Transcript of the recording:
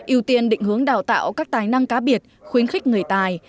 ưu tiên định hướng đào tạo các tài năng cá biệt khuyến khích người tài